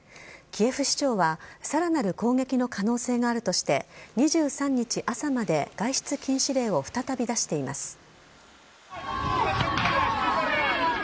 キエフ市長は、さらなる攻撃の可能性があるとして、２３日朝まで外出禁止令を再び出しています。